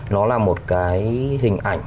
nó là một cái hình ảnh